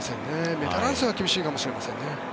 メダル争いは厳しいかもしれませんね。